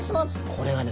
これがね